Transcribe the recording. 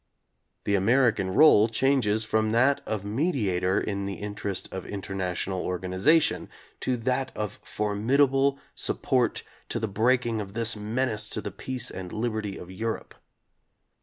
The American role changes from that of mediator in the interest of international organiza tion to that of formidable support to the breaking of this menace to the peace and liberty of Europe.